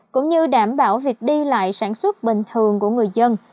cũng như đảm bảo việc đi lại sản xuất bình thường của người dân